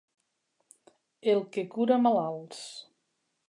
El que cura malalts.